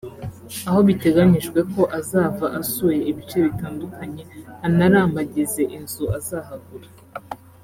aho biteganyijwe ko azava asuye ibice bitandukanye anarambagize inzu azahagura